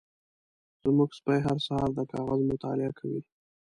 زمونږ سپی هر سهار د کاغذ مطالعه کوي.